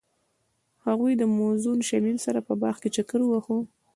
هغوی د موزون شمیم سره په باغ کې چکر وواهه.